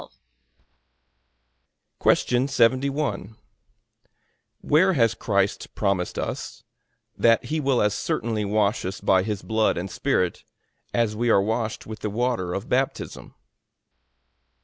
A.